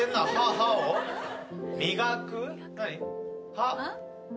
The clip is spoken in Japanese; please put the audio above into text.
歯。